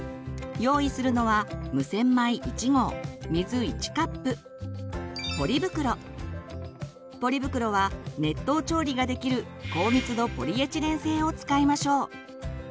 用意するのはポリ袋は熱湯調理ができる高密度ポリエチレン製を使いましょう。